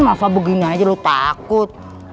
masa begini saja lu takut